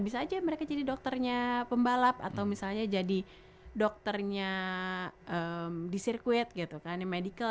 bisa aja mereka jadi dokternya pembalap atau misalnya jadi dokternya di sirkuit gitu kan yang medical